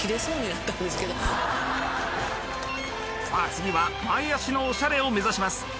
さあ次は前足のおしゃれを目指します。